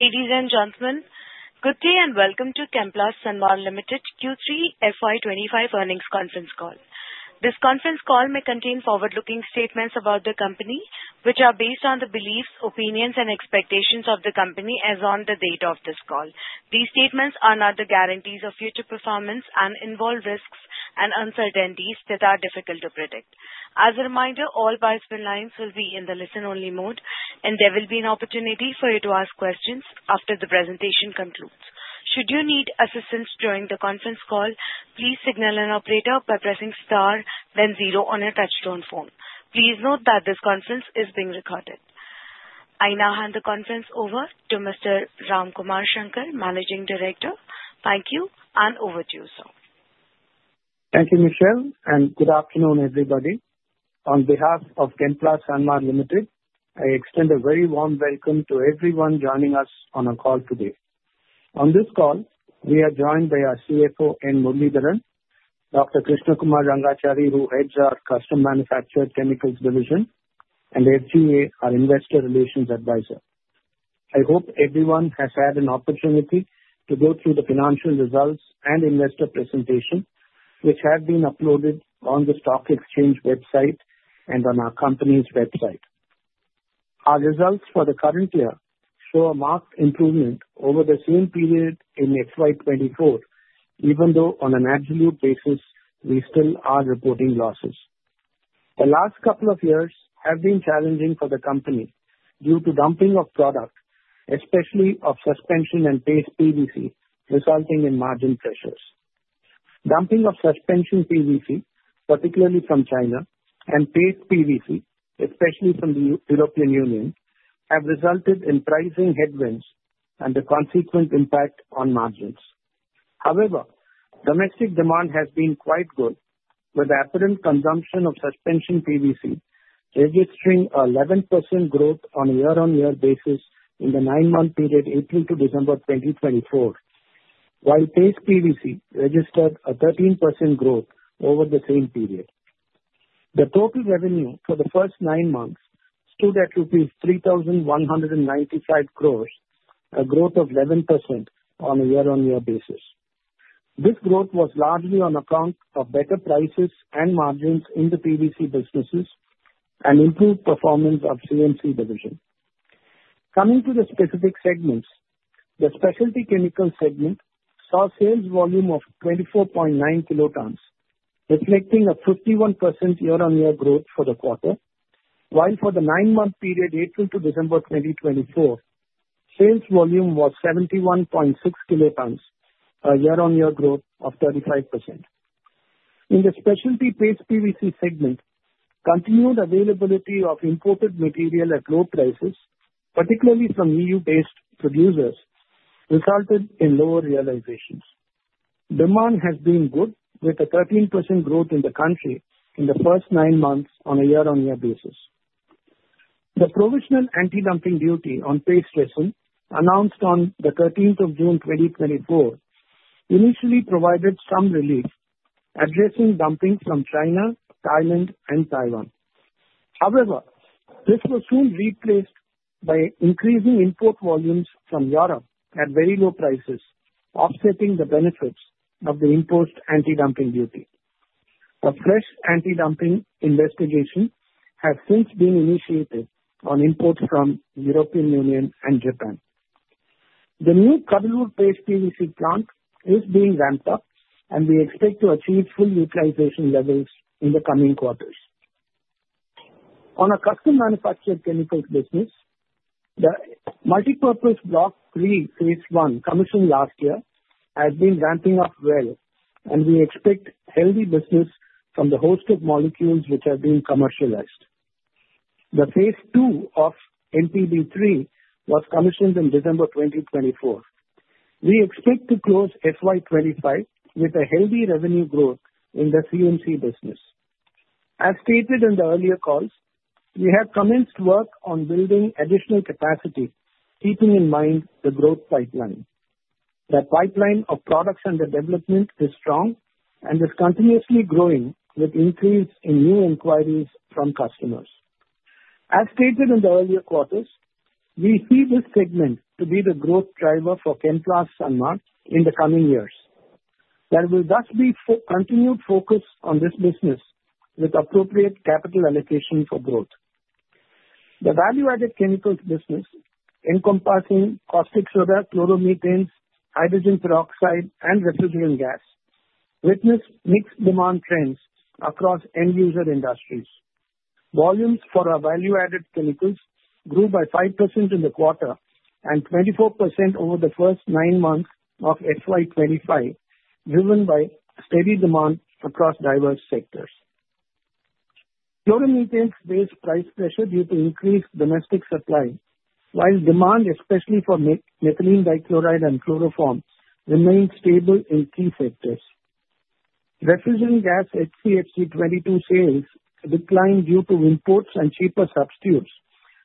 Ladies and gentlemen, good day and welcome to Chemplast Sanmar Limited Q3 FY 2025 earnings conference call. This conference call may contain forward-looking statements about the company, which are based on the beliefs, opinions, and expectations of the company as of the date of this call. These statements are not the guarantees of future performance and involve risks and uncertainties that are difficult to predict. As a reminder, all participant lines will be in the listen-only mode, and there will be an opportunity for you to ask questions after the presentation concludes. Should you need assistance during the conference call, please signal an operator by pressing star, then zero on your touch-tone phone. Please note that this conference is being recorded. I now hand the conference over to Mr. Ramkumar Shankar, Managing Director. Thank you, and over to you, sir. Thank you, Michelle, and good afternoon, everybody. On behalf of Chemplast Sanmar Limited, I extend a very warm welcome to everyone joining us on our call today. On this call, we are joined by our CFO, N. Muralidharan, Dr. Krishna Kumar Rangachari, who heads our Custom Manufactured Chemicals division, and SGA, our Investor Relations Advisor. I hope everyone has had an opportunity to go through the financial results and investor presentation, which have been uploaded on the stock exchange website and on our company's website. Our results for the current year show a marked improvement over the same period in FY 2024, even though on an absolute basis, we still are reporting losses. The last couple of years have been challenging for the company due to dumping of product, especially of Suspension and Paste PVC, resulting in margin pressures. Dumping of Suspension PVC, particularly from China, and Paste PVC, especially from the European Union, have resulted in pricing headwinds and the consequent impact on margins. However, domestic demand has been quite good, with the apparent consumption of Suspension PVC registering an 11% growth on a year-on-year basis in the nine-month period April to December 2024, while Paste PVC registered a 13% growth over the same period. The total revenue for the first nine months stood at rupees 3,195 crore, a growth of 11% on a year-on-year basis. This growth was largely on account of better prices and margins in the PVC businesses and improved performance of the CMC division. Coming to the specific segments, the Specialty Chemicals segment saw sales volume of 24.9 kilotons, reflecting a 51% year-on-year growth for the quarter, while for the nine-month period April to December 2024, sales volume was 71.6 kilotons, a year-on-year growth of 35%. In the Specialty Paste PVC segment, continued availability of imported material at low prices, particularly from EU-based producers, resulted in lower realizations. Demand has been good, with a 13% growth in the country in the first nine months on a year-on-year basis. The provisional anti-dumping duty on Paste Resin announced on the 13th of June 2024 initially provided some relief, addressing dumping from China, Thailand, and Taiwan. However, this was soon replaced by increasing import volumes from Europe at very low prices, offsetting the benefits of the imposed anti-dumping duty. A fresh anti-dumping investigation has since been initiated on imports from the European Union and Japan. The new Cuddalore Paste PVC plant is being ramped up, and we expect to achieve full utilization levels in the coming quarters. On our Custom Manufactured Chemicals business, the Multipurpose Block 3 Phase I commissioned last year has been ramping up well, and we expect healthy business from the hosted molecules which have been commercialized. The Phase II MPB III was commissioned in December 2024. We expect to close FY 2025 with a healthy revenue growth in the CMC business. As stated in the earlier calls, we have commenced work on building additional capacity, keeping in mind the growth pipeline. The pipeline of products under development is strong and is continuously growing with increase in new inquiries from customers. As stated in the earlier quarters, we see this segment to be the growth driver for Chemplast Sanmar in the coming years. There will thus be continued focus on this business with appropriate capital allocation for growth. The Value-Added Chemicals business, encompassing caustic soda, chloromethanes, hydrogen peroxide, and refrigerant gas, witnessed mixed demand trends across end-user industries. Volumes for our Value-Added Chemicals grew by 5% in the quarter and 24% over the first nine months of FY 2025, driven by steady demand across diverse sectors. Chloromethanes faced price pressure due to increased domestic supply, while demand, especially for methylene dichloride and chloroform, remained stable in key sectors. Refrigerant gas HCFC-22 sales declined due to imports and cheaper substitutes,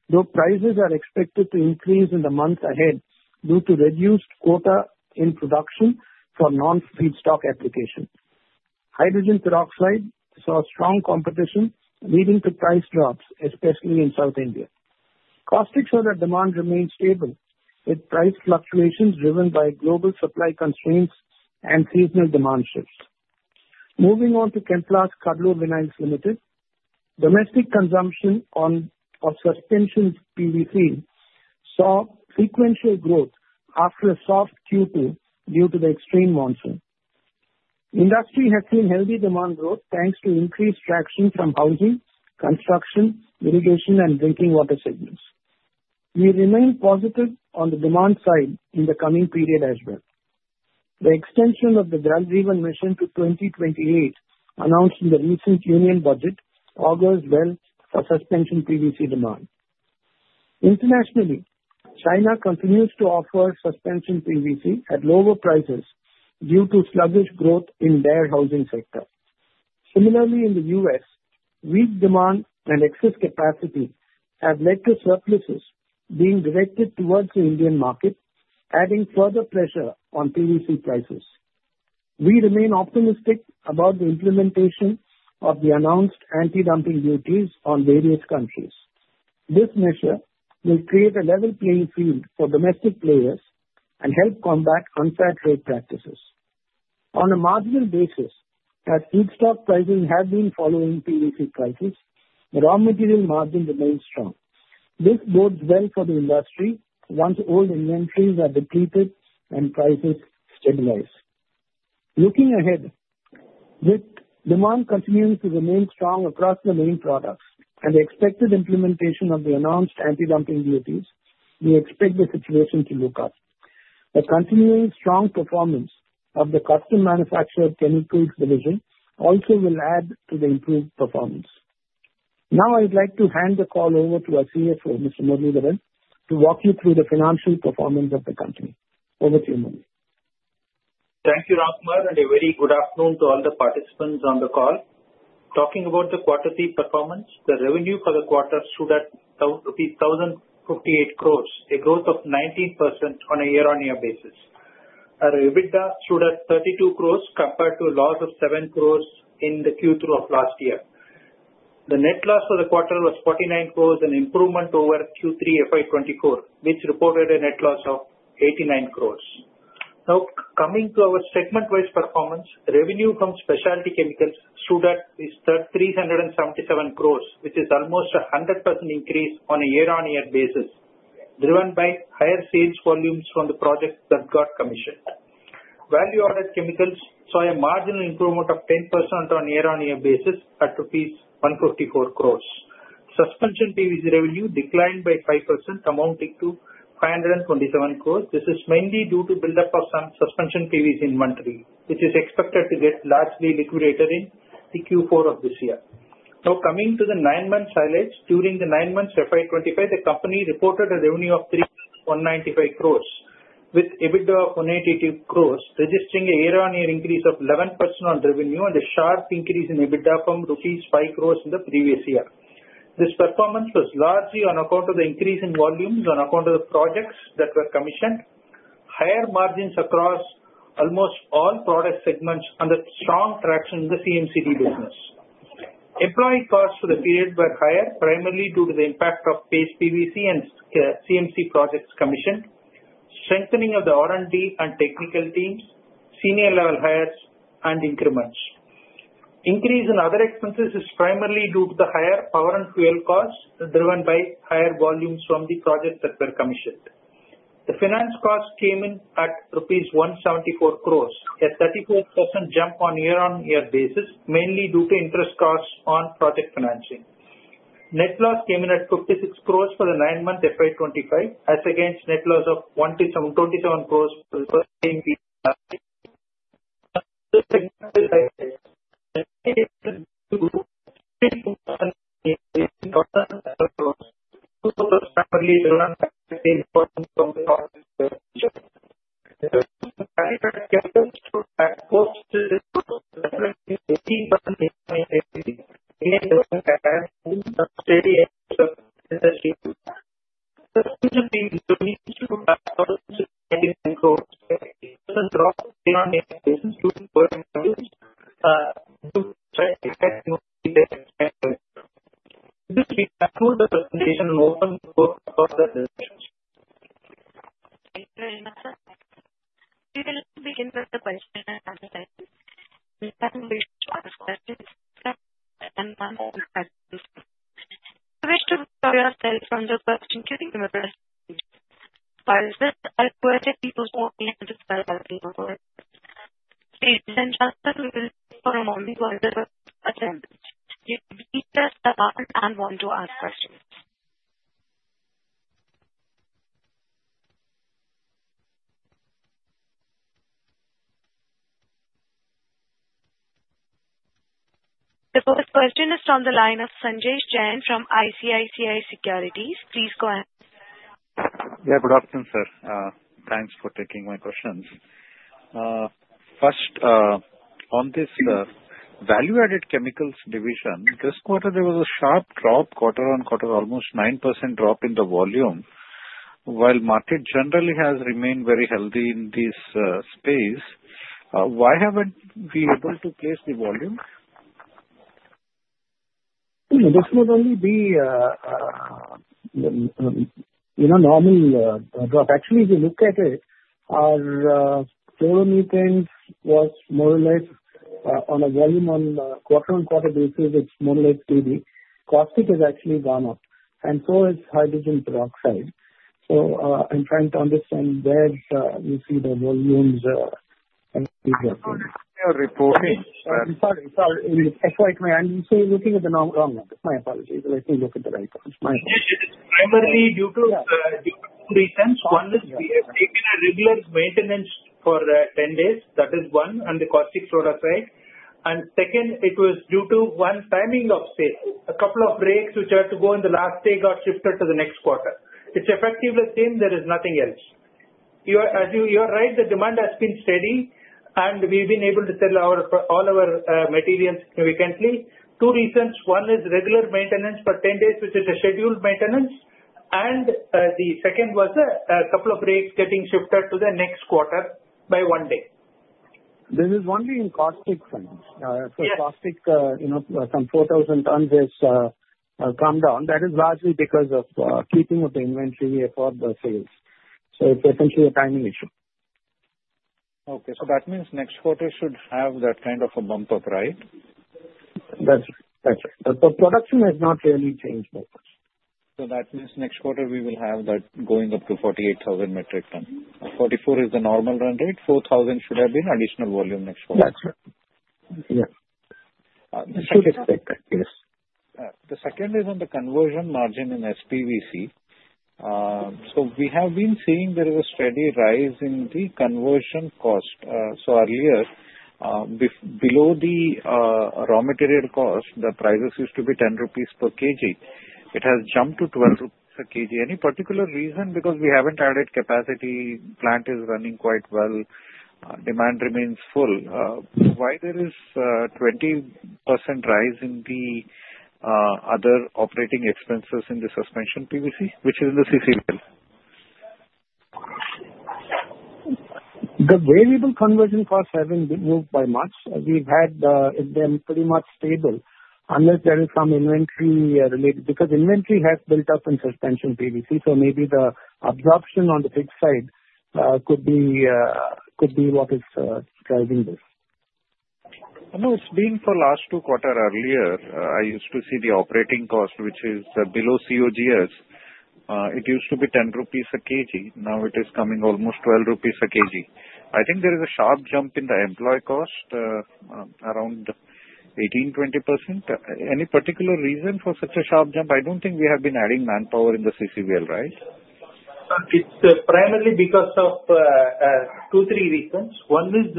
though prices are expected to increase in the months ahead due to reduced quota in production for non-feedstock application. Hydrogen peroxide saw strong competition, leading to price drops, especially in South India. Caustic soda demand remained stable with price fluctuations driven by global supply constraints and seasonal demand shifts. Moving on to Chemplast Cuddalore Vinyls Limited, domestic consumption of Suspension PVC saw sequential growth after a soft Q2 due to the extreme monsoon. Industry has seen healthy demand growth thanks to increased traction from housing, construction, irrigation, and drinking water segments. We remain positive on the demand side in the coming period as well. The extension of the Jal Jeevan Mission to 2028 announced in the recent Union Budget augurs well for Suspension PVC demand. Internationally, China continues to offer Suspension PVC at lower prices due to sluggish growth in their housing sector. Similarly, in the U.S., weak demand and excess capacity have led to surpluses being directed towards the Indian market, adding further pressure on PVC prices. We remain optimistic about the implementation of the announced anti-dumping duties on various countries. This measure will create a level playing field for domestic players and help combat unfair trade practices. On a marginal basis, as feedstock prices have been following PVC prices, the raw material margin remains strong. This bodes well for the industry once old inventories are depleted and prices stabilize. Looking ahead, with demand continuing to remain strong across the main products and the expected implementation of the announced anti-dumping duties, we expect the situation to look up. The continuing strong performance of the Custom Manufactured Chemicals division also will add to the improved performance. Now, I would like to hand the call over to our CFO, Mr. Muralidharan, to walk you through the financial performance of the company. Over to you. Thank you, Ramkumar, and a very good afternoon to all the participants on the call. Talking about the quarterly performance, the revenue for the quarter stood at rupees 1,058 crore, a growth of 19% on a year-on-year basis. Our EBITDA stood at 32 crore compared to a loss of 7 crore in the Q3 of last year. The net loss for the quarter was 49 crore, an improvement over Q3 FY 2024, which reported a net loss of 89 crore. Now, coming to our segment-wise performance, revenue from specialty chemicals stood at 377 crore, which is almost a 100% increase on a year-on-year basis, driven by higher sales volumes from the projects that got commissioned. Value-added chemicals saw a marginal improvement of 10% on a year-on-year basis at rupees 154 crore. Suspension PVC revenue declined by 5%, amounting to 527 crore. This is mainly due to the build-up of some Suspension PVC inventory, which is expected to get largely liquidated in the Q4 of this year. Now, coming to the nine-month highlights, during the nine months of FY 2025, the company reported a revenue of 195 crore, with EBITDA of 182 crore, registering a year-on-year increase of 11% on revenue and a sharp increase in EBITDA from rupees 5 crore in the previous year. This performance was largely on account of the increase in volumes on account of the projects that were commissioned, higher margins across almost all product segments, and the strong traction in the CMC business. Employee costs for the period were higher, primarily due to the impact of Paste PVC and CMC projects commissioned, strengthening of the R&D and technical teams, senior-level hires, and increments. Increase in other expenses is primarily due to the higher power and fuel costs driven by higher volumes from the projects that were commissioned. The finance costs came in at rupees 174 crore, a 34% jump on a year-on-year basis, mainly due to interest costs on project financing. Net loss came in at 56 crore for the nine-month FY 2025, as against net loss of 127 crore for the first same period. The fourth question is from the line of Sanjesh Jain from ICICI Securities. Please go ahead. Yeah, good afternoon, sir. Thanks for taking my questions. First, on this Value-Added Chemicals division, this quarter there was a sharp drop quarter-on- quarter, almost a 9% drop in the volume, while the market generally has remained very healthy in this space. Why haven't we been able to place the volume? This would only the normal drop. Actually, if you look at it, our chloromethanes was more or less on a volume on quarter-on-quarter basis. It's more or less steady. Caustic has actually gone up, and so has hydrogen peroxide. So I'm trying to understand where you see the volumes and the drop. Sorry, sorry. I'm looking at the wrong number. My apologies. Let me look at the right one. It's primarily due to two reasons. One is we have taken a regular maintenance for 10 days. That is one, and the caustic soda. And second, it was due to one timing of sales. A couple of rakes, which had to go in the last day, got shifted to the next quarter. It's effectively the same. There is nothing else. As you are right, the demand has been steady, and we've been able to sell all our materials significantly. Two reasons. One is regular maintenance for 10 days, which is a scheduled maintenance. And the second was a couple of rakes getting shifted to the next quarter by one day. There is one thing in caustic side. So caustic, some 4,000 tons has come down. That is largely because of keeping of the inventory for the sales. So it's essentially a timing issue. Okay. So that means next quarter should have that kind of a bump up, right? That's right. That's right. But production has not really changed much. So that means next quarter we will have that going up to 48,000 metric tons. 44,000 is the normal run rate. 4,000 should have been additional volume next quarter. That's right. Yeah. Should expect that, yes. The second is on the conversion margin in SPVC, so we have been seeing there is a steady rise in the conversion cost. So earlier, below the raw material cost, the prices used to be 10 rupees per kg. It has jumped to 12 rupees per kg. Any particular reason? Because we haven't added capacity, the plant is running quite well, demand remains full. Why there is a 20% rise in the other operating expenses in the Suspension PVC, which is in the CCVL? The variable conversion costs haven't been moved by much. We've had them pretty much stable unless there is some inventory related. Because inventory has built up in Suspension PVC, so maybe the absorption on the fixed side could be what is driving this. No, it's been for the last two quarters earlier. I used to see the operating cost, which is below COGS. It used to be 10 rupees a kg. Now it is coming almost 12 rupees a kg. I think there is a sharp jump in the employee cost, around 18%-20%. Any particular reason for such a sharp jump? I don't think we have been adding manpower in the CCVL, right? It's primarily because of two, three reasons. One is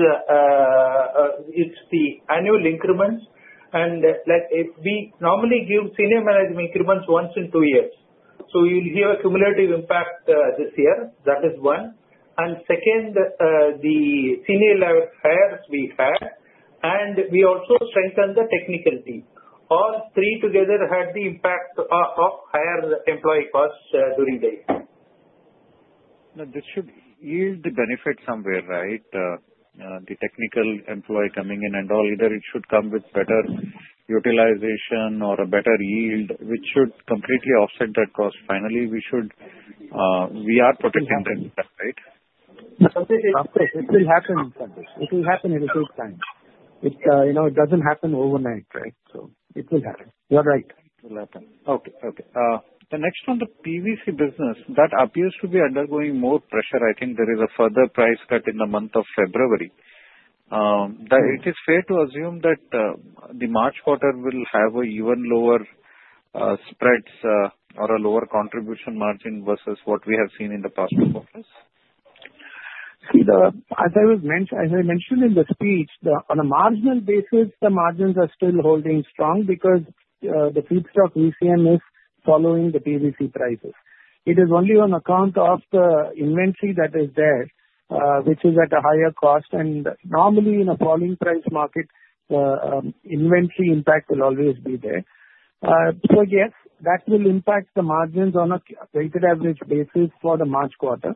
it's the annual increments. And we normally give senior management increments once in two years. So you'll hear a cumulative impact this year. That is one. And second, the senior hires we had, and we also strengthened the technical team. All three together had the impact of higher employee costs during the year. Now, this should yield the benefit somewhere, right? The technical employee coming in and all, either it should come with better utilization or a better yield, which should completely offset that cost. Finally, we are protecting them, right? It will happen. It will happen and will take time. It doesn't happen overnight, right? So it will happen. You're right. It will happen. Okay. Okay. The next one, the PVC business, that appears to be undergoing more pressure. I think there is a further price cut in the month of February. It is fair to assume that the March quarter will have even lower spreads or a lower contribution margin versus what we have seen in the past two quarters? See, as I mentioned in the speech, on a marginal basis, the margins are still holding strong because the feedstock VCM is following the PVC prices. It is only on account of the inventory that is there, which is at a higher cost. And normally, in a falling price market, the inventory impact will always be there. So yes, that will impact the margins on a weighted average basis for the March quarter.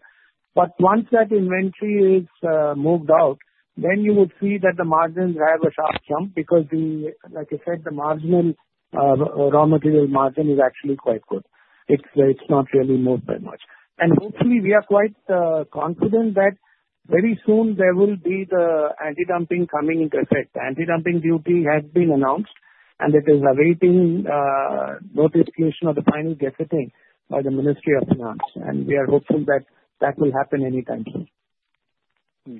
But once that inventory is moved out, then you would see that the margins have a sharp jump because, like I said, the marginal raw material margin is actually quite good. It's not really moved by much. And hopefully, we are quite confident that very soon there will be the anti-dumping coming into effect. Anti-dumping duty has been announced, and it is awaiting notification of the final gazetting by the Ministry of Finance. We are hopeful that that will happen anytime soon.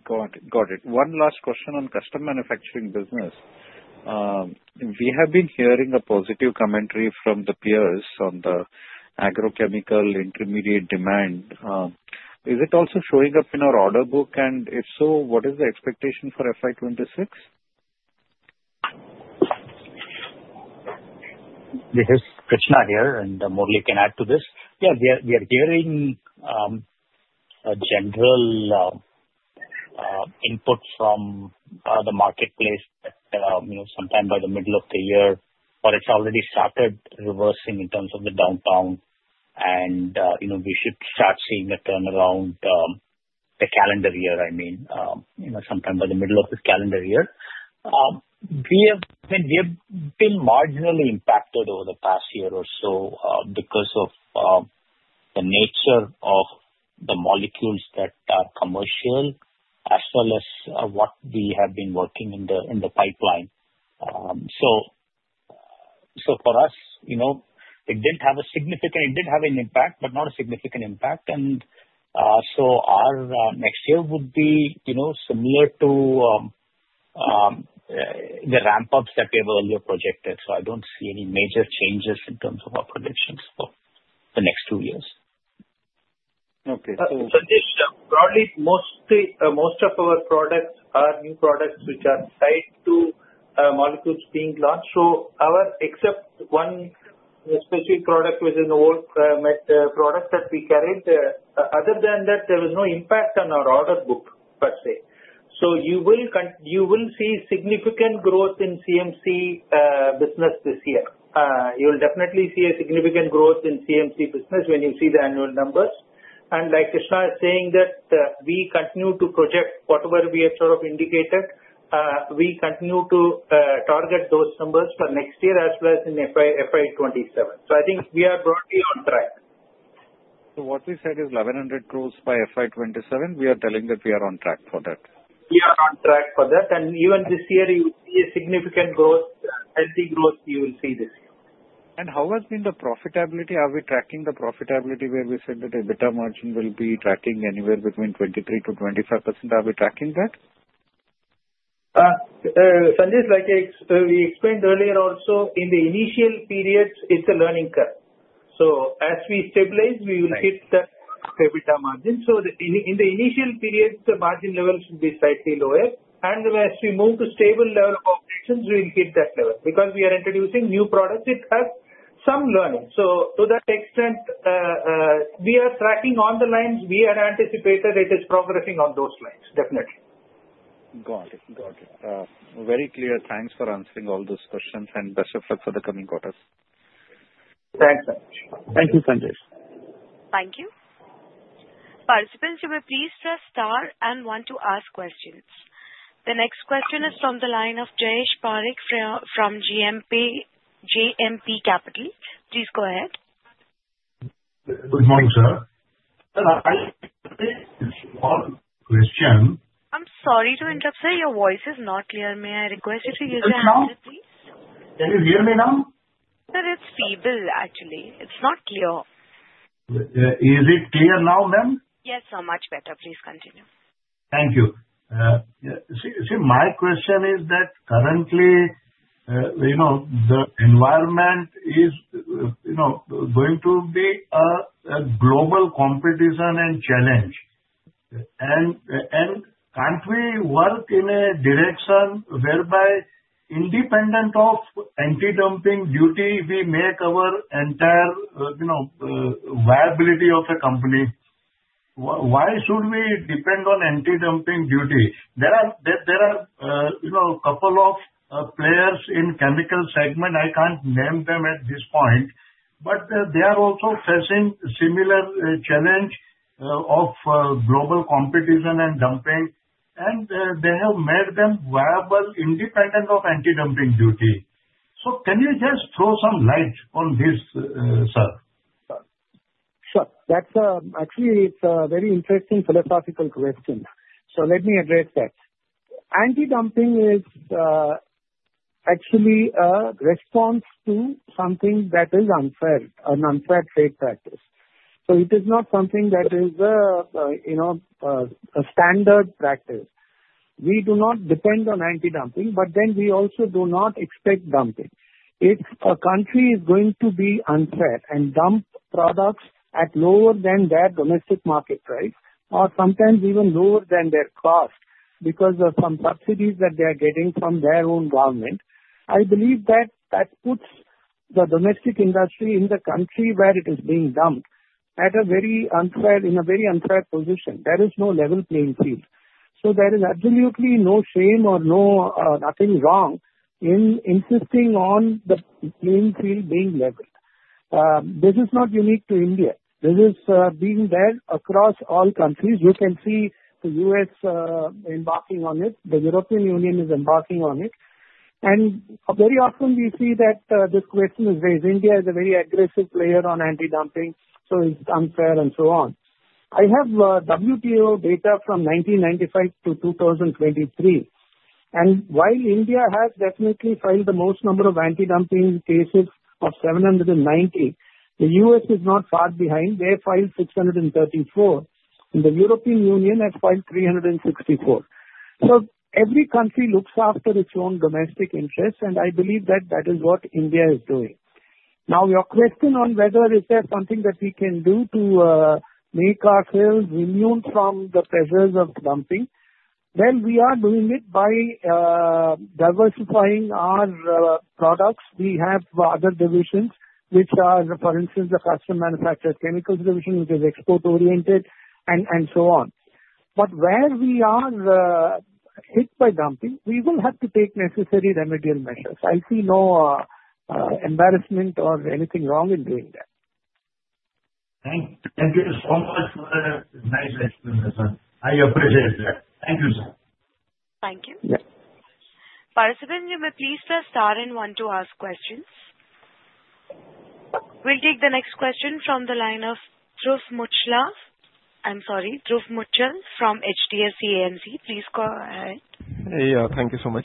Got it. Got it. One last question on Custom Manufacturing business. We have been hearing positive commentary from the peers on the agrochemical intermediate demand. Is it also showing up in our order book? And if so, what is the expectation for FY 2026? This is Krishna here, and Murali can add to this. Yeah, we are hearing general input from the marketplace that sometime by the middle of the year, or it's already started reversing in terms of the downturn, and we should start seeing a turnaround the calendar year. I mean, sometime by the middle of the calendar year. We have been marginally impacted over the past year or so because of the nature of the molecules that are commercial, as well as what we have been working in the pipeline. So for us, it did have an impact, but not a significant impact. And so our next year would be similar to the ramp-ups that we have earlier projected. So I don't see any major changes in terms of our predictions for the next two years. Okay. So. So probably most of our products are new products which are tied to molecules being launched. So except one specific product, which is an old product that we carried, other than that, there was no impact on our order book per se. So you will see significant growth in CMC business this year. You'll definitely see a significant growth in CMC business when you see the annual numbers. And like Krishna is saying, that we continue to project whatever we have sort of indicated. We continue to target those numbers for next year as well as in FY 2027. So I think we are broadly on track. So what we said is 1,100 crores by FY 2027. We are telling that we are on track for that. We are on track for that, and even this year, you'll see a significant growth, healthy growth you will see this year. How has been the profitability? Are we tracking the profitability where we said that EBITDA margin will be tracking anywhere between 23%-25%? Are we tracking that? Sanjesh, like we explained earlier, also in the initial period, it's a learning curve. So as we stabilize, we will hit that EBITDA margin. So in the initial period, the margin level should be slightly lower. And as we move to stable level of operations, we will hit that level. Because we are introducing new products, it has some learning. So to that extent, we are tracking on the lines we had anticipated it is progressing on those lines, definitely. Got it. Got it. Very clear. Thanks for answering all those questions, and best of luck for the coming quarters. Thanks so much. Thank you, Sanjesh. Thank you. Participants who have pleased to star and want to ask questions. The next question is from the line of Jayesh Parekh from JMP Capital. Please go ahead. Good morning, sir. I think it's one question. I'm sorry to interrupt, sir. Your voice is not clear. May I request you to use your handset please? Can you hear me now? Sir, it's feeble, actually. It's not clear. Is it clear now, ma'am? Yes, so much better. Please continue. Thank you. See, my question is that currently, the environment is going to be a global competition and challenge. And can't we work in a direction whereby, independent of anti-dumping duty, we make our entire viability of the company? Why should we depend on anti-dumping duty? There are a couple of players in the chemical segment. I can't name them at this point. But they are also facing similar challenges of global competition and dumping. And they have made them viable independent of anti-dumping duty. So can you just throw some light on this, sir? Sure. Actually, it's a very interesting philosophical question. So let me address that. Anti-dumping is actually a response to something that is unfair, an unfair trade practice. So it is not something that is a standard practice. We do not depend on anti-dumping, but then we also do not expect dumping. If a country is going to be unfair and dump products at lower than their domestic market price, or sometimes even lower than their cost because of some subsidies that they are getting from their own government, I believe that that puts the domestic industry in the country where it is being dumped in a very unfair position. There is no level playing field. So there is absolutely no shame or nothing wrong in insisting on the playing field being leveled. This is not unique to India. This is being there across all countries. You can see the U.S. embarking on it. The European Union is embarking on it. And very often, we see that this question is raised. India is a very aggressive player on anti-dumping, so it's unfair and so on. I have WTO data from 1995 to 2023. And while India has definitely filed the most number of anti-dumping cases of 790, the U.S. is not far behind. They filed 634. And the European Union has filed 364. So every country looks after its own domestic interests, and I believe that that is what India is doing. Now, your question on whether is there something that we can do to make ourselves immune from the pressures of dumping? Well, we are doing it by diversifying our products. We have other divisions, which are, for instance, the custom manufactured chemicals division, which is export-oriented, and so on. But where we are hit by dumping, we will have to take necessary remedial measures. I see no embarrassment or anything wrong in doing that. Thank you. Thank you so much for the nice explanation, sir. I appreciate that. Thank you, sir. Thank you. Participants, you may please press star and one to ask questions. We'll take the next question from the line of Dhruv Muchhal. I'm sorry, Dhruv Muchhal from HDFC AMC. Please go ahead. Hey, thank you so much.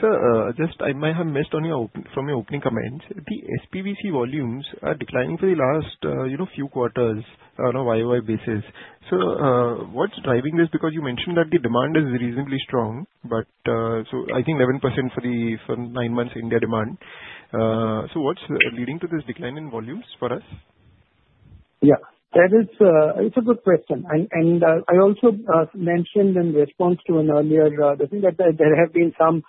Sir, just I might have missed from your opening comments. The SPVC volumes are declining for the last few quarters on a YoY basis. So what's driving this? Because you mentioned that the demand is reasonably strong, but so I think 11% for the nine months India demand. So what's leading to this decline in volumes for us? Yeah. That is a good question. And I also mentioned in response to an earlier the thing that there have been some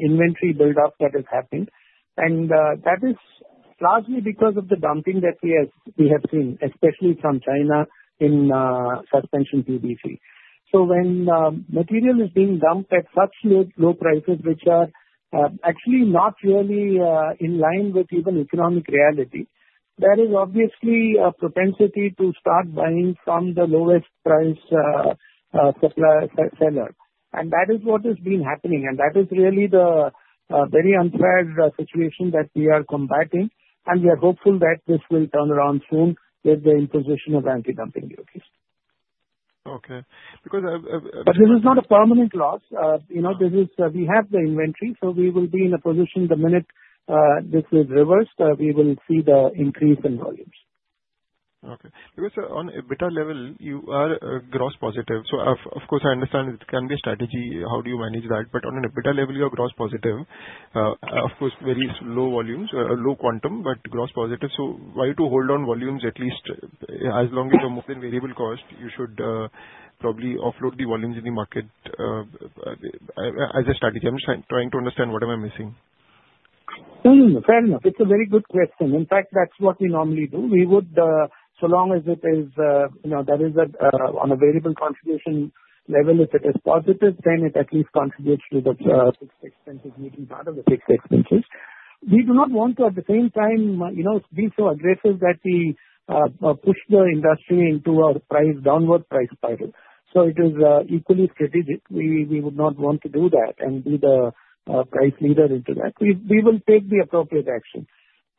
inventory buildup that has happened. And that is largely because of the dumping that we have seen, especially from China in Suspension PVC. So when material is being dumped at such low prices, which are actually not really in line with even economic reality, there is obviously a propensity to start buying from the lowest price seller. And that is what has been happening. And that is really the very unfair situation that we are combating. And we are hopeful that this will turn around soon with the imposition of anti-dumping duties. Okay. Because. But this is not a permanent loss. We have the inventory, so we will be in a position the minute this is reversed, we will see the increase in volumes. Okay. Because on EBITDA level, you are gross positive. So of course, I understand it can be a strategy, how do you manage that? But on an EBITDA level, you are gross positive. Of course, very low volumes, low quantum, but gross positive. So why to hold on volumes at least as long as the more than variable cost, you should probably offload the volumes in the market as a strategy? I'm trying to understand what am I missing. Fair enough. It's a very good question. In fact, that's what we normally do. So long as it is that is on a variable contribution level, if it is positive, then it at least contributes to the fixed expenses meeting part of the fixed expenses. We do not want to, at the same time, be so aggressive that we push the industry into a downward price spiral. So it is equally strategic. We would not want to do that and be the price leader into that. We will take the appropriate action.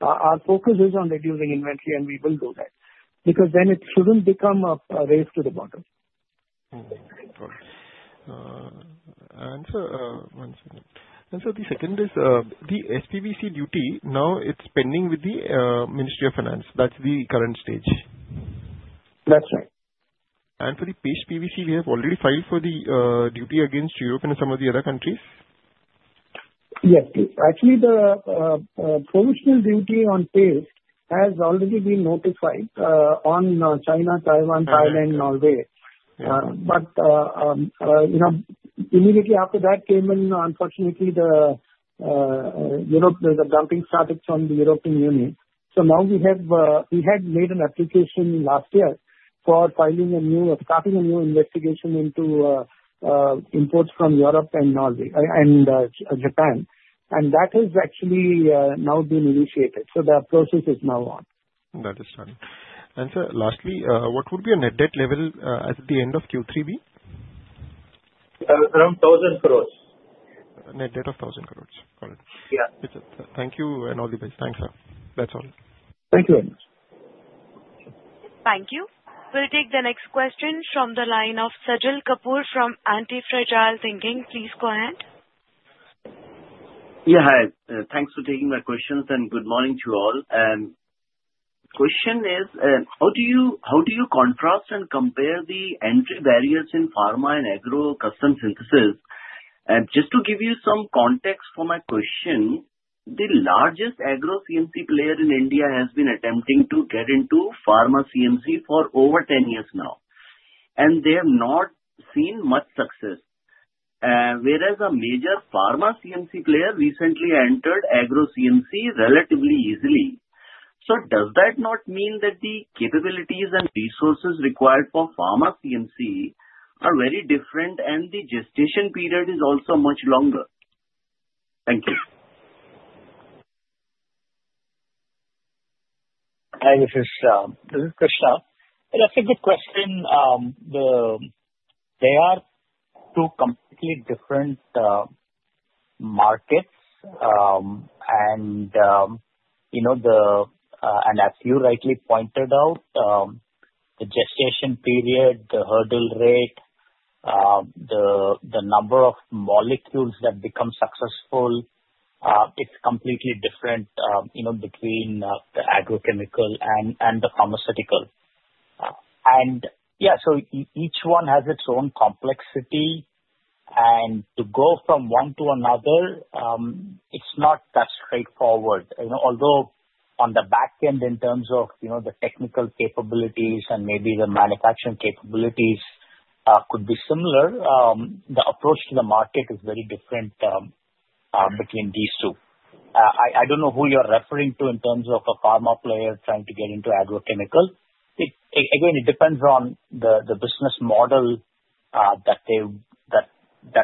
Our focus is on reducing inventory, and we will do that. Because then it shouldn't become a race to the bottom. Sir, one second. Sir, the second is the SPVC duty, now it's pending with the Ministry of Finance. That's the current stage. That's right. For the Paste PVC, we have already filed for the duty against Europe and some of the other countries? Yes. Actually, the provisional duty on Paste PVC has already been notified on China, Taiwan, Thailand, Norway, but immediately after that came in. Unfortunately, the dumping started from the European Union. So now we had made an application last year for filing, starting a new investigation into imports from Europe and Japan, and that has actually now been initiated. So the process is now on. That is fine. And, sir, lastly, what would be a net debt level at the end of Q3 be? Around 1,000 crore. Net debt of 1,000 crore. Got it. Thank you and all the best. Thanks, sir. That's all. Thank you very much. Thank you. We'll take the next question from the line of Sajal Kapoor from Antifragile Thinking. Please go ahead. Yeah, hi. Thanks for taking my questions, and good morning to all. Question is, how do you contrast and compare the entry barriers in pharma and agro custom synthesis? And just to give you some context for my question, the largest agro CMC player in India has been attempting to get into pharma CMC for over 10 years now. And they have not seen much success. Whereas a major pharma CMC player recently entered agro CMC relatively easily. So does that not mean that the capabilities and resources required for pharma CMC are very different and the gestation period is also much longer? Thank you. Hi, this is Krishna. That's a good question. They are two completely different markets. And as you rightly pointed out, the gestation period, the hurdle rate, the number of molecules that become successful, it's completely different between the agrochemical and the pharmaceutical. And yeah, so each one has its own complexity. And to go from one to another, it's not that straightforward. Although on the back end, in terms of the technical capabilities and maybe the manufacturing capabilities could be similar, the approach to the market is very different between these two. I don't know who you're referring to in terms of a pharma player trying to get into agrochemical. Again, it depends on the business model that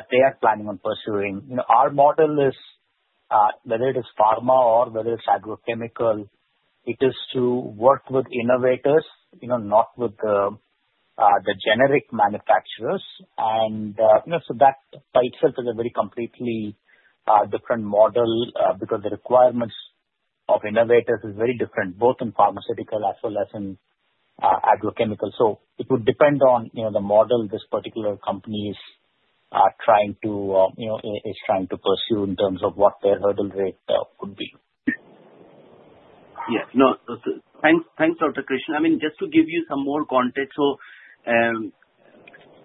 they are planning on pursuing. Our model is, whether it is pharma or whether it's agrochemical, it is to work with innovators, not with the generic manufacturers. And so that by itself is a very completely different model because the requirements of innovators are very different, both in pharmaceutical as well as in agrochemical. So it would depend on the model this particular company is trying to pursue in terms of what their hurdle rate would be. Yes. Thanks, Dr. Krishna. I mean, just to give you some more context, so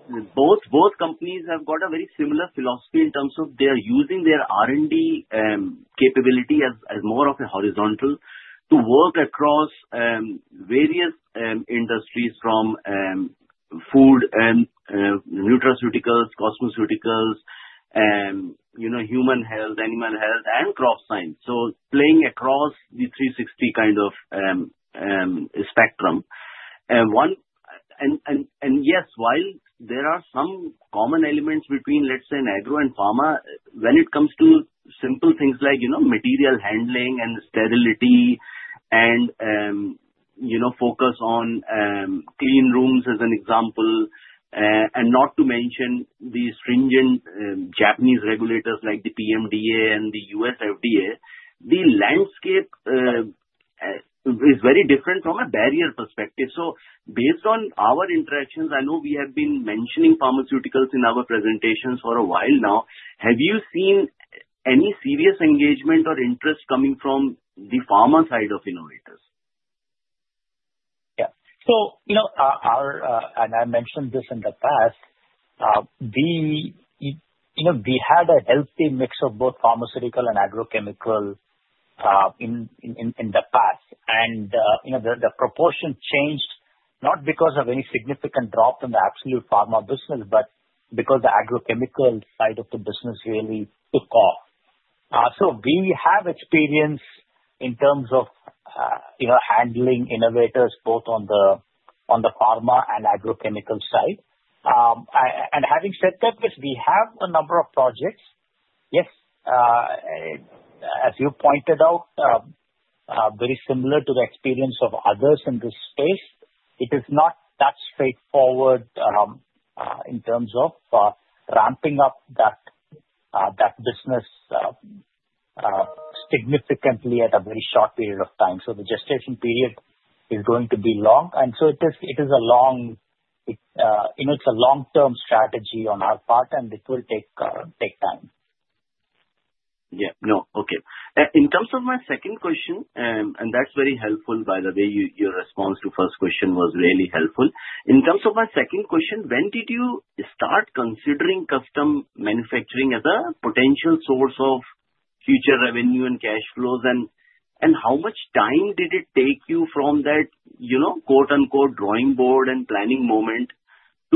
both companies have got a very similar philosophy in terms of they are using their R&D capability as more of a horizontal to work across various industries from food and nutraceuticals, cosmeceuticals, human health, animal health, and crop science. So playing across the 360 kind of spectrum. And yes, while there are some common elements between, let's say, an agro and pharma, when it comes to simple things like material handling and sterility and focus on clean rooms as an example, and not to mention the stringent Japanese regulators like the PMDA and the U.S. FDA, the landscape is very different from a barrier perspective. So based on our interactions, I know we have been mentioning pharmaceuticals in our presentations for a while now. Have you seen any serious engagement or interest coming from the pharma side of innovators? Yeah. So I mentioned this in the past. We had a healthy mix of both pharmaceutical and agrochemical in the past. And the proportion changed not because of any significant drop in the absolute pharma business, but because the agrochemical side of the business really took off. So we have experience in terms of handling innovators both on the pharma and agrochemical side. And having said that, we have a number of projects. Yes, as you pointed out, very similar to the experience of others in this space, it is not that straightforward in terms of ramping up that business significantly at a very short period of time. So the gestation period is going to be long. And so it is a long-term strategy on our part, and it will take time. Yeah. No. Okay. In terms of my second question, and that's very helpful, by the way, your response to first question was really helpful. In terms of my second question, when did you start considering custom manufacturing as a potential source of future revenue and cash flows? And how much time did it take you from that "drawing board" and planning moment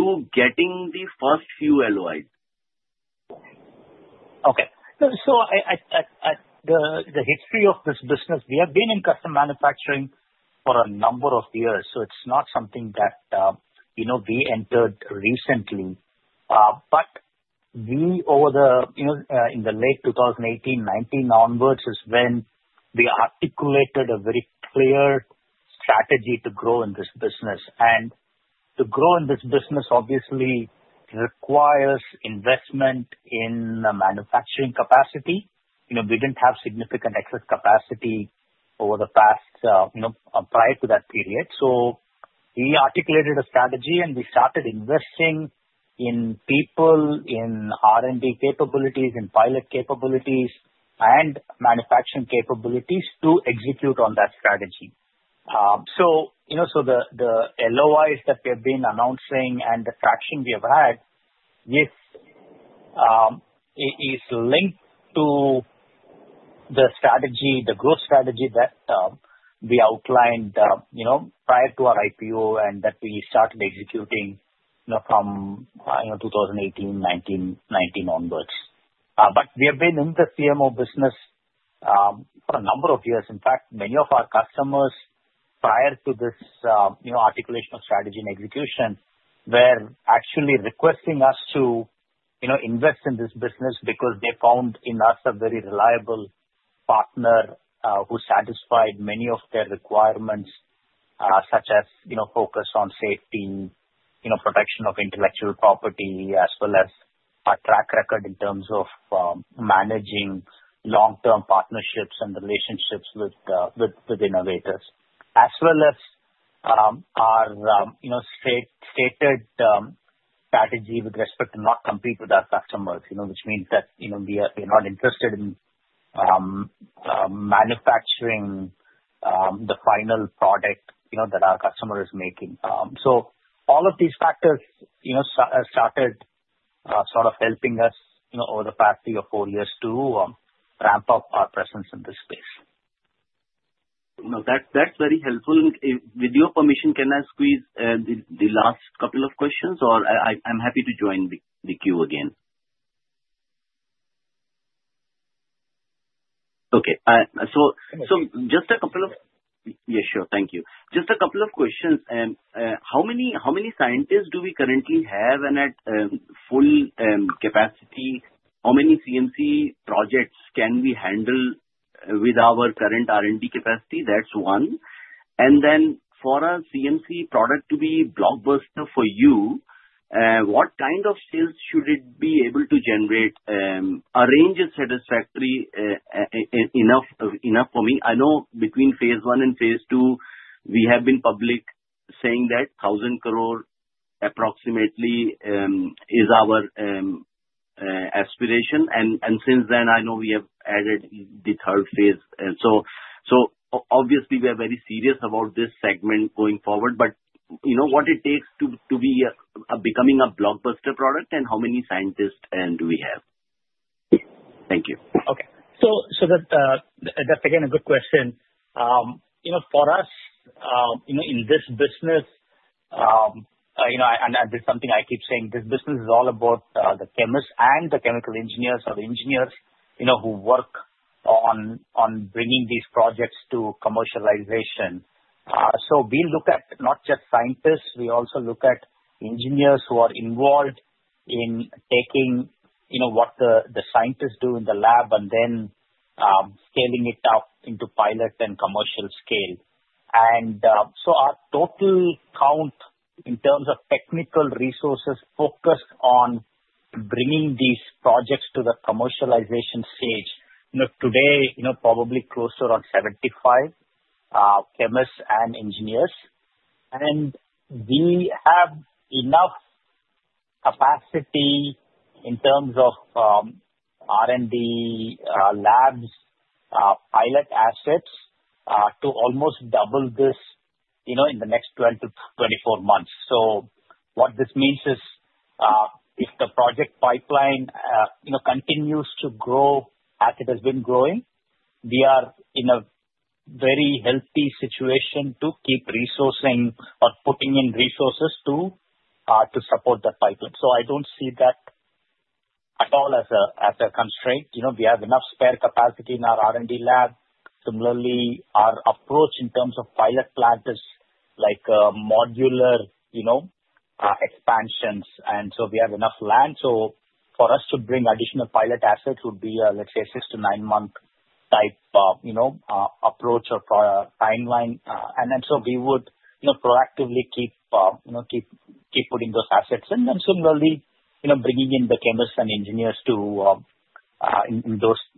to getting the first few LOIs? Okay. The history of this business, we have been in custom manufacturing for a number of years. It's not something that we entered recently. But in the late 2018, 2019 onwards is when we articulated a very clear strategy to grow in this business. To grow in this business, obviously, requires investment in manufacturing capacity. We didn't have significant excess capacity prior to that period. We articulated a strategy, and we started investing in people, in R&D capabilities, in pilot capabilities, and manufacturing capabilities to execute on that strategy. The LOIs that we have been announcing and the traction we have had, yes, is linked to the strategy, the growth strategy that we outlined prior to our IPO and that we started executing from 2018, 2019 onwards. But we have been in the CMO business for a number of years. In fact, many of our customers prior to this articulation of strategy and execution were actually requesting us to invest in this business because they found in us a very reliable partner who satisfied many of their requirements, such as focus on safety, protection of intellectual property, as well as our track record in terms of managing long-term partnerships and relationships with innovators, as well as our stated strategy with respect to not compete with our customers, which means that we are not interested in manufacturing the final product that our customer is making. So all of these factors started sort of helping us over the past three or four years to ramp up our presence in this space. That's very helpful. With your permission, can I squeeze the last couple of questions? Or I'm happy to join the queue again. Okay. So just a couple of. Yeah, sure. Thank you. Just a couple of questions. How many scientists do we currently have at full capacity? How many CMC projects can we handle with our current R&D capacity? That's one. And then for a CMC product to be blockbuster for you, what kind of sales should it be able to generate, a range that's satisfactory enough for me? I know between Phase I and Phase II, we have been publicly saying that 1,000 crore approximately is our aspiration. And since then, I know we have added the third phase. So obviously, we are very serious about this segment going forward. But what it takes to be becoming a blockbuster product and how many scientists do we have? Thank you. Okay. So that's, again, a good question. For us, in this business, and this is something I keep saying, this business is all about the chemists and the chemical engineers or engineers who work on bringing these projects to commercialization. So we look at not just scientists. We also look at engineers who are involved in taking what the scientists do in the lab and then scaling it up into pilot and commercial scale. And so our total count in terms of technical resources focused on bringing these projects to the commercialization stage today is probably closer to 75 chemists and engineers. And we have enough capacity in terms of R&D, labs, pilot assets to almost double this in the next 12-24 months. So what this means is if the project pipeline continues to grow as it has been growing, we are in a very healthy situation to keep resourcing or putting in resources to support that pipeline. So I don't see that at all as a constraint. We have enough spare capacity in our R&D lab. Similarly, our approach in terms of pilot plants is like modular expansions. And so we have enough land. So for us to bring additional pilot assets would be, let's say, a six to nine-month type approach or timeline. And then so we would proactively keep putting those assets. And then similarly, bringing in the chemists and engineers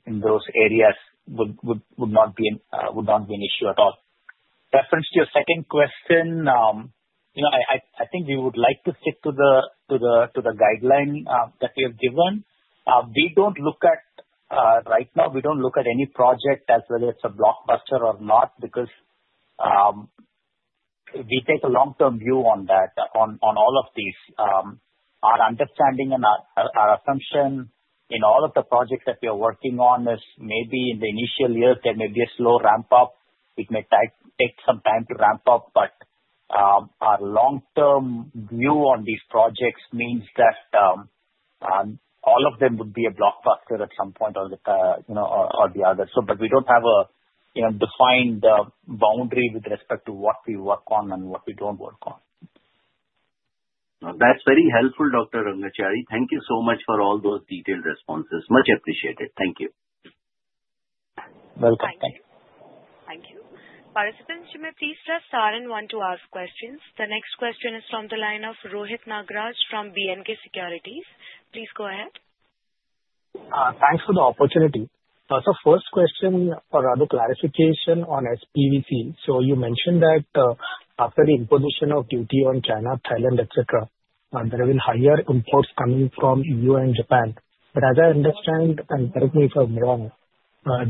in those areas would not be an issue at all. Reference to your second question, I think we would like to stick to the guideline that we have given. We don't look at right now. We don't look at any project as whether it's a blockbuster or not because we take a long-term view on all of these. Our understanding and our assumption in all of the projects that we are working on is maybe in the initial years, there may be a slow ramp-up. It may take some time to ramp up. But our long-term view on these projects means that all of them would be a blockbuster at some point or the other. But we don't have a defined boundary with respect to what we work on and what we don't work on. That's very helpful, Dr. Rangachari. Thank you so much for all those detailed responses. Much appreciated. Thank you. Welcome. Thank you. Thank you. Participants, you may please press star and one to ask questions. The next question is from the line of Rohit Nagraj from B&K Securities. Please go ahead. Thanks for the opportunity. So first question for further clarification on SPVC. So you mentioned that after the imposition of duty on China, Thailand, etc., there have been higher imports coming from the U.S. and Japan. But as I understand, and correct me if I'm wrong,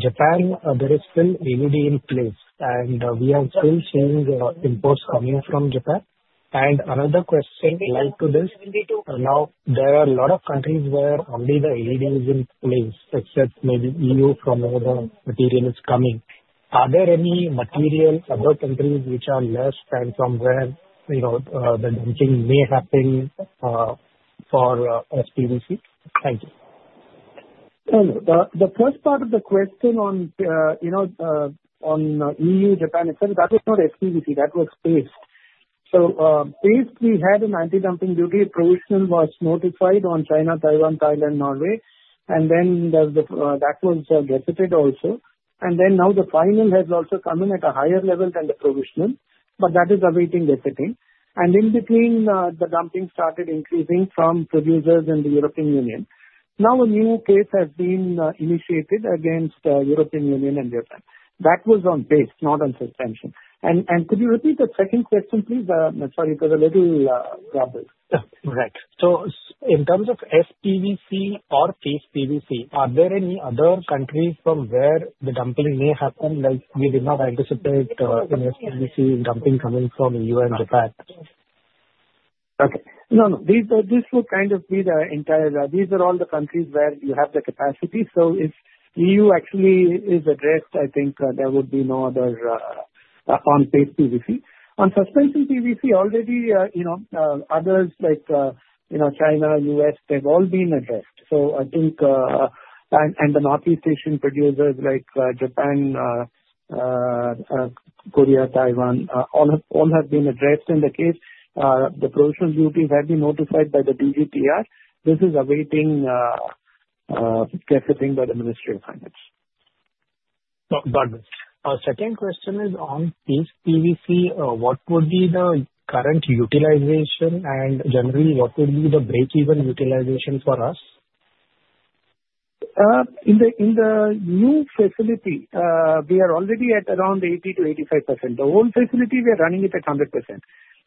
Japan, there is still ADD in place. And we are still seeing imports coming from Japan. And another question related to this. Now, there are a lot of countries where only the ADD is in place, except maybe the EU from where the material is coming. Are there any materials, other countries which are less, and from where the dumping may happen for SPVC? Thank you. The first part of the question on EU, Japan, etc., that was not SPVC. That was Paste PVC. So Paste PVC, we had an anti-dumping duty. Provisional was notified on China, Taiwan, Thailand, Norway. And then that was gazetted also. And then now the final has also come in at a higher level than the provisional. But that is awaiting gazetting. And in between, the dumping started increasing from producers in the European Union. Now, a new case has been initiated against the European Union and Japan. That was on Paste, not on Suspension. And could you repeat the second question, please? Sorry, there's a little trouble. Right. So in terms of SPVC or Paste PVC, are there any other countries from where the dumping may happen? We did not anticipate SPVC dumping coming from the U.S. and Japan. Okay. No, no. This would kind of be the entire. These are all the countries where you have the capacity. So if EU actually is addressed, I think there would be no other on Paste PVC. On Suspension PVC, already others like China, U.S., they've all been addressed. So I think and the Northeast Asian producers like Japan, Korea, Taiwan, all have been addressed in the case. The provisional duties have been notified by the DGTR. This is awaiting gazetting by the Ministry of Finance. Got it. Our second question is on Paste PVC. What would be the current utilization and generally, what would be the break-even utilization for us? In the new facility, we are already at around 80%-85%. The old facility, we are running it at 100%.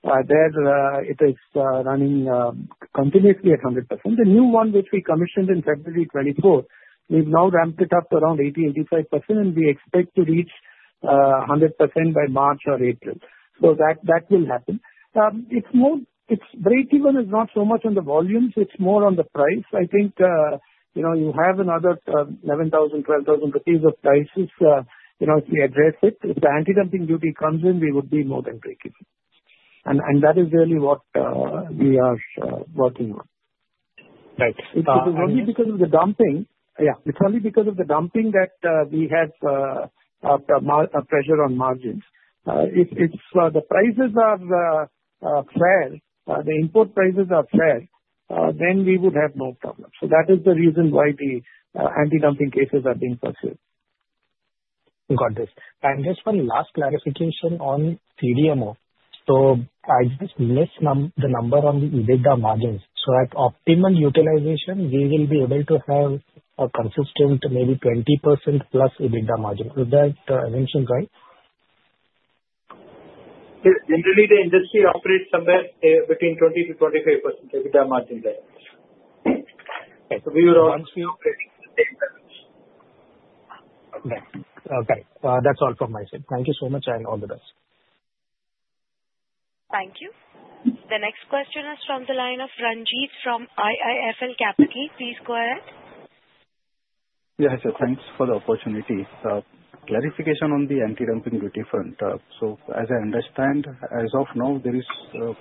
It is running continuously at 100%. The new one, which we commissioned in February 2024, we've now ramped it up to around 80%-85%. And we expect to reach 100% by March or April. So that will happen. It's break-even is not so much on the volumes. It's more on the price. I think you have another 11,000-12,000 rupees of price if we address it. If the anti-dumping duty comes in, we would be more than break-even. And that is really what we are working on. Right. It's only because of the dumping. Yeah. It's only because of the dumping that we have a pressure on margins. If the prices are fair, the import prices are fair, then we would have no problem. So that is the reason why the anti-dumping cases are being pursued. Got it. And just one last clarification on CDMO. So I just missed the number on the EBITDA margins. So at optimal utilization, we will be able to have a consistent maybe 20% plus EBITDA margin. Is that mentioned right? Generally, the industry operates somewhere between 20%-25% EBITDA margin there. Right. Okay. That's all from my side. Thank you so much and all the best. Thank you. The next question is from the line of Ranjit from IIFL Capital. Please go ahead. Yes, sir. Thanks for the opportunity. Clarification on the anti-dumping duty front. So as I understand, as of now, there is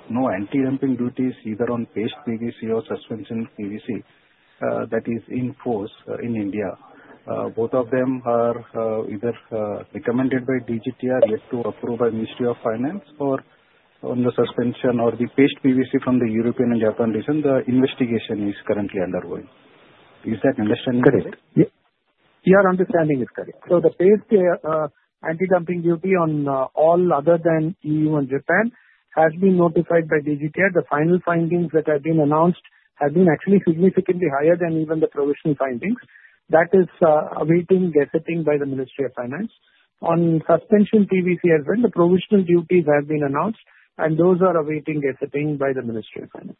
no anti-dumping duties either on Paste PVC or Suspension PVC that is in force in India. Both of them are either recommended by DGTR yet to approve by Ministry of Finance or on the Suspension or the Paste PVC from the European and Japan region, the investigation is currently underway. Is that understanding correct? Correct. Your understanding is correct. So the Paste anti-dumping duty on all other than EU and Japan has been notified by DGTR. The final findings that have been announced have been actually significantly higher than even the provisional findings. That is awaiting execution by the Ministry of Finance. On Suspension PVC as well, the provisional duties have been announced, and those are awaiting execution by the Ministry of Finance.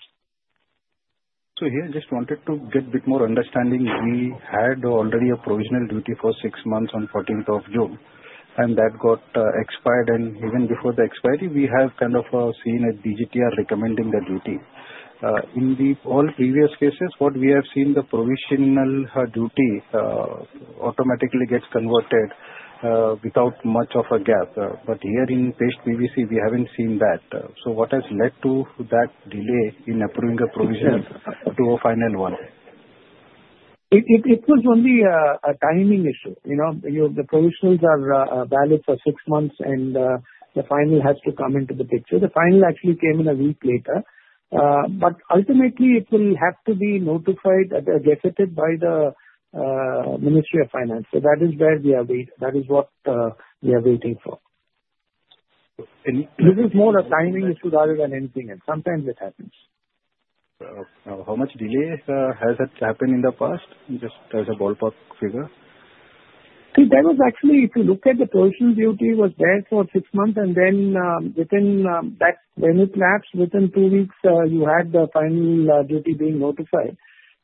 So here, I just wanted to get a bit more understanding. We had already a provisional duty for six months on 14th of June, and that got expired. And even before the expiry, we have kind of seen a DGTR recommending the duty. In all previous cases, what we have seen, the provisional duty automatically gets converted without much of a gap. But here in Paste PVC, we haven't seen that. So what has led to that delay in approving a provisional to a final one? It was only a timing issue. The provisionals are valid for six months, and the final has to come into the picture. The final actually came in a week later. But ultimately, it will have to be notified, executed by the Ministry of Finance. So that is where we are waiting. That is what we are waiting for. This is more a timing issue rather than anything, and sometimes it happens. How much delay has it happened in the past? Just as a ballpark figure. See, that was actually if you look at the provisional duty, it was there for six months. And then within that, when it lapses, within two weeks, you had the final duty being notified.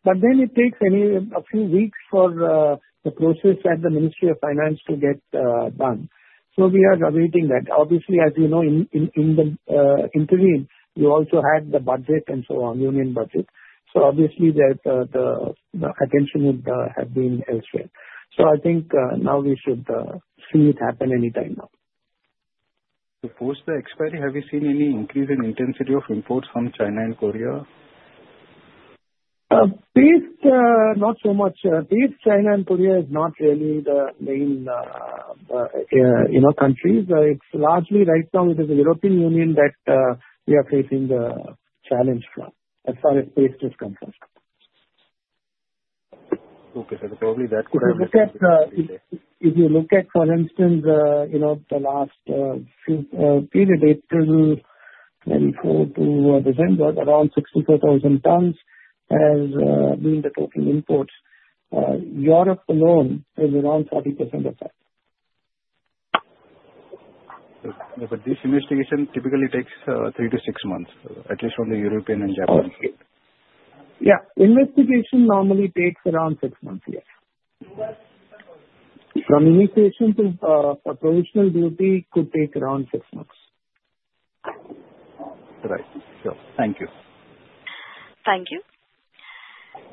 But then it takes a few weeks for the process at the Ministry of Finance to get done. So we are awaiting that. Obviously, as you know, in the interim, we also had the budget and so on, Union Budget. So obviously, the attention would have been elsewhere. So I think now we should see it happen anytime now. Before the expiry, have you seen any increase in intensity of imports from China and Korea? PVC, not so much. Paste, China and Korea is not really the main countries. It's largely right now with the European Union that we are facing the challenge from as far as Paste is concerned. Okay, so probably that could have been the case. If you look at, for instance, the last period, April 2024 to December, around 64,000 tons has been the total imports. Europe alone is around 40% of that. But this investigation typically takes three to six months, at least from the European and Japan. Yeah. Investigation normally takes around six months, yes. From initiation to provisional duty could take around six months. Right. Sure. Thank you. Thank you.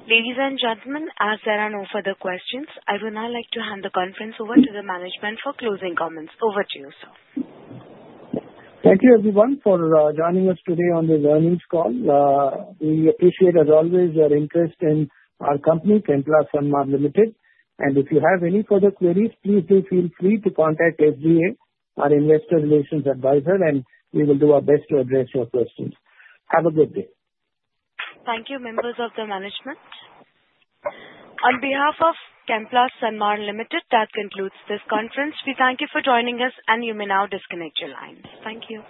Ladies and gentlemen, as there are no further questions, I would now like to hand the conference over to the management for closing comments. Over to you, sir. Thank you, everyone, for joining us today on this earnings call. We appreciate, as always, your interest in our company, Chemplast Sanmar Limited. And if you have any further queries, please do feel free to contact SGA, our investor relations advisor, and we will do our best to address your questions. Have a good day. Thank you, members of the management. On behalf of Chemplast Sanmar Limited, that concludes this conference. We thank you for joining us, and you may now disconnect your lines. Thank you.